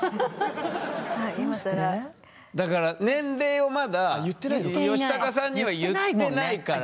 だから年齢をまだヨシタカさんには言ってないから。